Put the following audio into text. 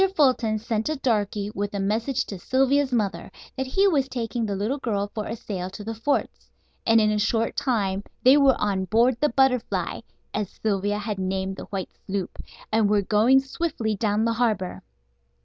Fulton sent a darky with a message to Sylvia's mother that he was taking the little girl for a sail to the forts, and in a short time they were on board the Butterfly, as Sylvia had named the white sloop, and were going swiftly down the harbor.